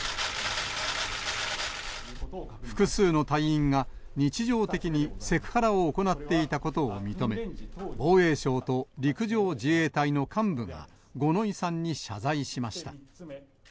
複数の隊員が日常的にセクハラを行っていたことを認め、防衛省と陸上自衛隊の幹部が五ノ井さんに謝罪しました。